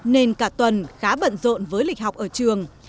nên cả tuần khá bận rộn với lịch học ở trường